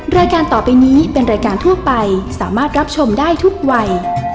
รายการต่อไปนี้เป็นรายการทั่วไปสามารถรับชมได้ทุกวัย